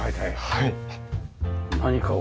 はい。